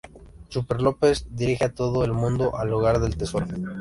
Superlópez dirige a todo el mundo al lugar del tesoro.